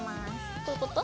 こういうこと？